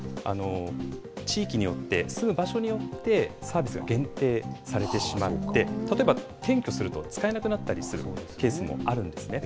ただ、地域によって、住む場所によってサービスが限定されてしまって、例えば転居すると使えなくなったりするケースもあるんですね。